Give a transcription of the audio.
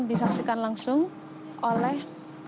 disaksikan langsung oleh